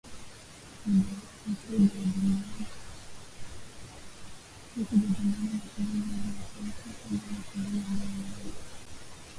hakujaadaliwa mashindano yale ya chan kule sudan mashindano ambayo yanayajumuisha